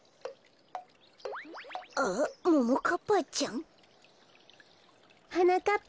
あっももかっぱちゃん？はなかっ